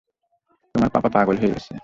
তোমার পাপা পাগল হয়ে গেছে।